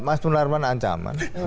mas mularman ancaman